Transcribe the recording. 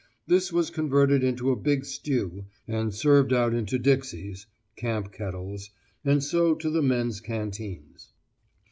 This was converted into a big stew, and served out into dixies (camp kettles) and so to the men's canteens.